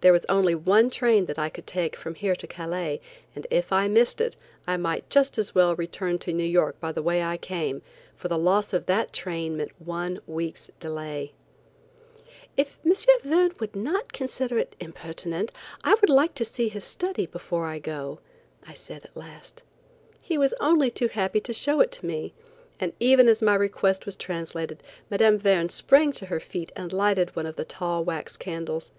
There was only one train that I could take from here to Calais, and if I missed it I might just as well return to New York by the way I came, for the loss of that train meant one week's delay. "If M. Verne would not consider it impertinent I should like to see his study before I go," I said at last. He said he was only too happy to show it me, and even as my request was translated Mme. Verne sprang to her feet and lighted one of the tall wax candles.